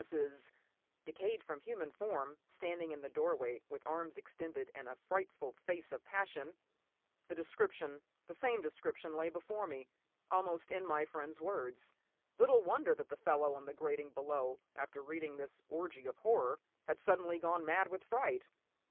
S.'s "decayed human form, standing in the doorway with arms extended and a frightful face of passion!" The description—the same description—lay before me, almost in my friend's words. Little wonder that the fellow on the grating below, after reading this orgy of horror, had suddenly gone mad with fright.